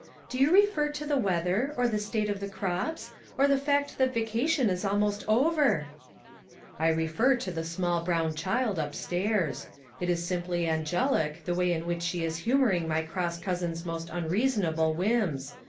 " Do you refer to the weather, or the state of the crops, or the fact that vaca tion is almost over ?"" I refer to the small brown child upstairs ; it is simply angelic, the way in which she is humoring my cross cousin's most unreasonable whims